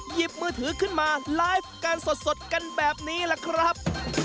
หยิบมือถือขึ้นมาไลฟ์กันสดกันแบบนี้ล่ะครับ